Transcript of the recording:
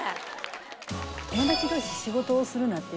友達同士仕事をするなってよくね。